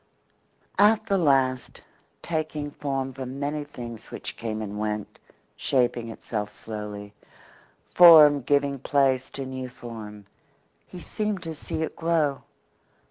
At the last, taking form from many things which came and went, shaping itself slowly, form giving place to new form, he seemed to see it grow.